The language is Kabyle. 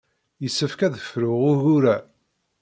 Yessefk ad fruɣ ugur-a.